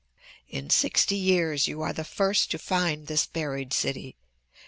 "In sixty years you are the first to find this buried city.